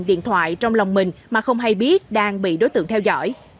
điện thoại trong lòng mình mà không hay biết đang bị đối tượng theo dõi